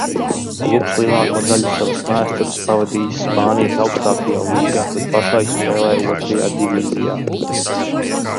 Klubs lielāko daļu savas vēstures pavadījis Spānijas augstākajā līgā, bet pašlaik spēlē Otrajā divīzijā.